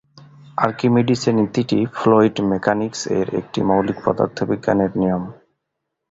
আর্কিমিডিসের নীতিটি ফ্লুইড মেকানিক্স-এর একটি মৌলিক পদার্থবিজ্ঞানের নিয়ম।